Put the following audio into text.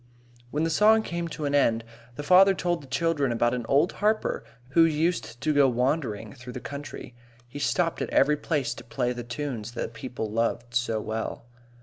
When the song came to an end, the farmer told the children about an old harper who used to go wandering through the country. He stopped at every place to play the tunes the people loved so well.